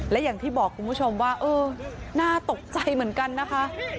และอย่างที่บอกคุณผู้ชมว่าเออน่าตกใจเหมือนกันนะคะ